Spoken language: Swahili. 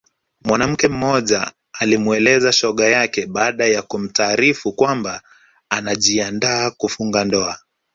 Mwanamke mmoja alimweleza shoga yake baada ya kumtaarifu kwamba anajiandaa kufunga ndoa